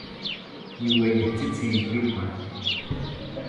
Yiueyehtzitzi ipiluan.